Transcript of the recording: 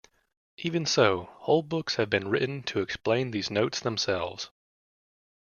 Even so, whole books have been written to explain these notes themselves.